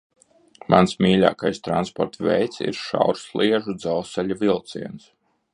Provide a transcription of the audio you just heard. Mans mīļākais transporta veids ir šaursliežu dzelzceļa vilciens.